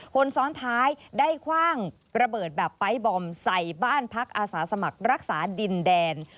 คนซ้อนท้ายได้คว่างระเบิดแบบไปร์ทบอมใส่บ้านพักอาสาสมัครรักษาดินแดน